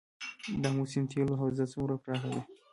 د امو سیند تیلو حوزه څومره پراخه ده؟